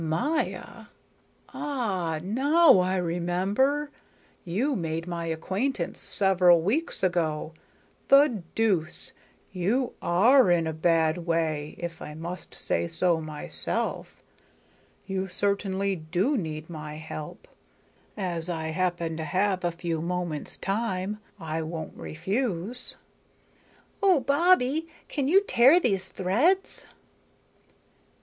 Maya? Ah, now I remember. You made my acquaintance several weeks ago. The deuce! You are in a bad way, if I must say so myself. You certainly do need my help. As I happen to have a few moments' time, I won't refuse." "Oh, Bobbie, can you tear these threads?"